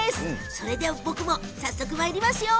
それでは僕も早速まいりますよ。